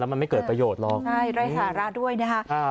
แล้วมันไม่เกิดประโยชน์หรอกใช่รายหาราด้วยนะคะ